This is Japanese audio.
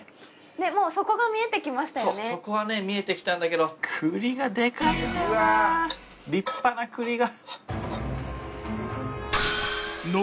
もうそう底はね見えてきたんだけど栗がデカいんだよな立派な栗が。